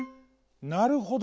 なるほど。